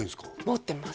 持ってます